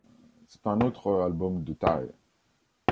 C’est un autre album de taille.